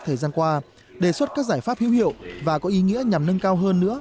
thời gian qua đề xuất các giải pháp hữu hiệu và có ý nghĩa nhằm nâng cao hơn nữa